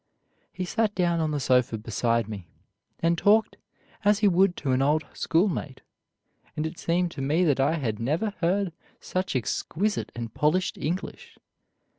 He sat down on the sofa beside me and talked as he would to an old schoolmate, and it seemed to me that I had never heard such exquisite and polished English.